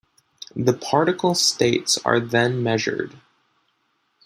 The particle states are then measured.